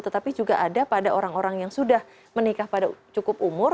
tetapi juga ada pada orang orang yang sudah menikah pada cukup umur